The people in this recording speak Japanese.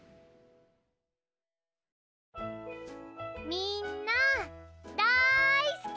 みんなだいすき！